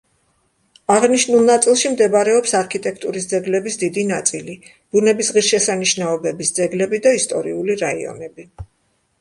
აღნიშნულ ნაწილში მდებარეობს არქიტექტურის ძეგლების დიდი ნაწილი, ბუნების ღირსშესანიშნაობების ძეგლები და ისტორიული რაიონები.